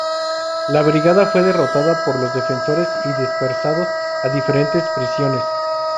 La Brigada fue derrotada por los Defensores y dispersados a diferentes prisiones.